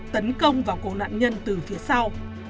tấn công vào cô nạn nhân từ phía sau